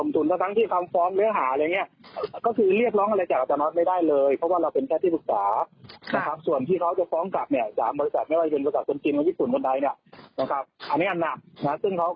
ซึ่งเขาก็กงไว้สู้กันในชั้นศาสตร์ก็คือคดีแพ่ง